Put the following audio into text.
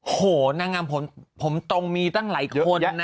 โหนางงามผมตรงมีตั้งหลายคนนะ